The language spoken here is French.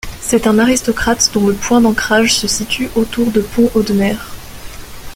C'est un aristocrate dont le point d'ancrage se situe autour de Pont-Audemer.